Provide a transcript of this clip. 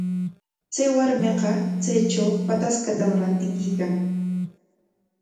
Chay warmiqa chaytraw pataskatam rantikuykan.